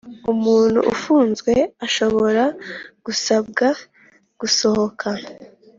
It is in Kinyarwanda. Umuntu ufunzwe ashobora gusabwa gusohoka.